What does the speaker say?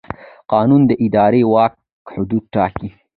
قانون د اداري واک حدود ټاکي.